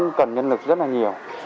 cũng cần nhân lực rất là nhiều